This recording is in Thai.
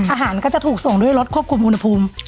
อาหารก็จะถูกส่งด้วยรถควบคุมอุณหภูมิ